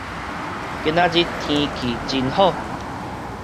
今仔日天氣真好